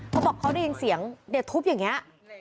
เขาบอกเขาได้ยินเสียงเด็กทุบอย่างนี้